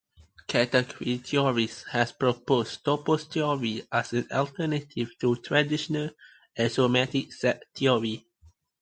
Category theorists have proposed topos theory as an alternative to traditional axiomatic set theory.